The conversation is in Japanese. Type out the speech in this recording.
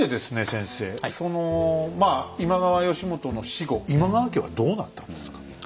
先生その今川義元の死後今川家はどうなったんですか？